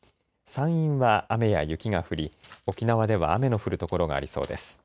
山陰は雨や雪が降り沖縄では雨の降る所がありそうです。